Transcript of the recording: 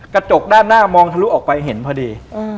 กระจกด้านหน้ามองทะลุออกไปเห็นพอดี